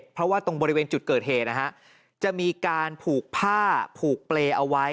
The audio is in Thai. เพราะว่าตรงบริเวณจุดเกิดเหตุนะฮะจะมีการผูกผ้าผูกเปรย์เอาไว้